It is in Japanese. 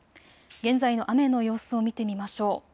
現在の雨の様子を見てみましょう。